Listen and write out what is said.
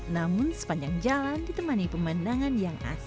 namun sepanjang jalan ditemani pemandangan yang asli